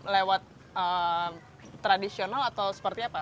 lewat tradisional atau seperti apa